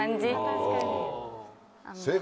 確かに。